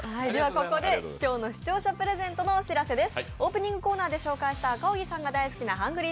ここで今日の視聴者プレゼントのご紹介です。